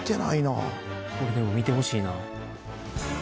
これでも見てほしいな。